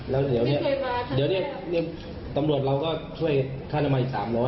แล้วเดี๋ยวนี้ตำรวจเราก็ช่วยค่าน้ำมันอีก๓๐๐